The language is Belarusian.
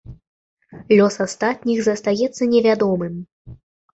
Лёс астатніх застаецца невядомым.